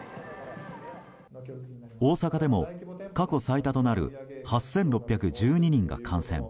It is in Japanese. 大阪でも過去最多となる８６１２人が感染。